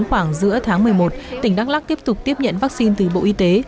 khoảng giữa tháng một mươi một tỉnh đắk lắc tiếp tục tiếp nhận vaccine từ bộ y tế